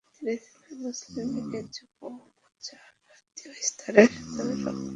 তিনি ছিলেন মুসলিম লীগের যুব মোর্চার জাতীয় স্তরের সাধারণ সম্পাদক।